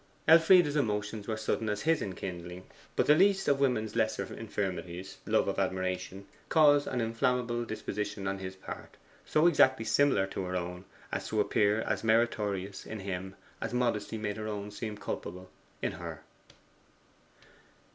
Elfride's emotions were sudden as his in kindling, but the least of woman's lesser infirmities love of admiration caused an inflammable disposition on his part, so exactly similar to her own, to appear as meritorious in him as modesty made her own seem culpable in her.